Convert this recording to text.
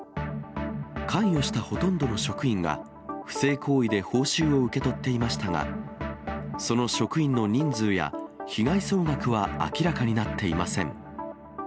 関与したほとんどの職員が不正行為で報酬を受け取っていましたが、その職員の人数や被害総額は明らかになっていません。